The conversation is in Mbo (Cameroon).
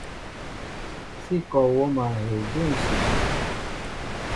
Sí kɔ wóm a hɛ́ɛ́ jə̂ ǹsʉsʉ.